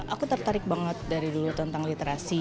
aku tertarik banget dari dulu tentang literasi